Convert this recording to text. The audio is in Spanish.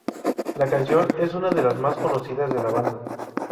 La canción es una de las más conocidas de la banda.